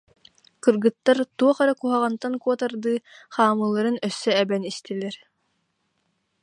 Кыргыттар, туох эрэ куһаҕантан куотардыы, хаамыыларын өссө эбэн истилэр